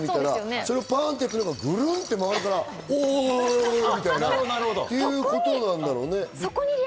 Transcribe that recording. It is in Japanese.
それをパンと行っても、ぐるっと回るから、おいおいっていうことなんだろうね。